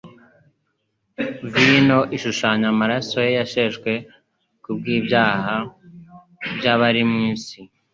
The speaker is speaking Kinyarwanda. vino igashushanya amaraso ye yasheshe kubw’ibyaha by’abari mu isi.